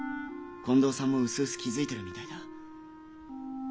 近藤さんもうすうす気づいてるみたいだ。